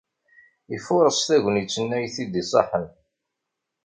Ifuṛes tagnit-nni ay t-id-iṣaḥen.